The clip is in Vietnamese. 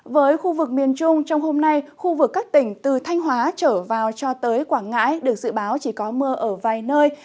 với khu vực miền trung trong hôm nay khu vực các tỉnh từ thanh hóa trở vào cho tới quảng ngãi được dự báo chỉ có mưa ở vài nơi